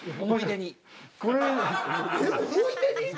思い出に？